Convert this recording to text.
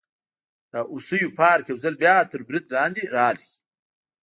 د هوسیو پارک یو ځل بیا تر برید لاندې راغی.